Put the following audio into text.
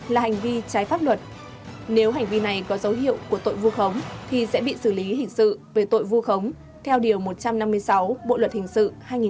là hành vi trái pháp luật nếu hành vi này có dấu hiệu của tội vu khống thì sẽ bị xử lý hình sự về tội vu khống theo điều một trăm năm mươi sáu bộ luật hình sự hai nghìn một mươi năm